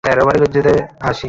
এটা কি সত্যিই তুমি?